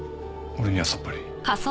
俺にはさっぱり。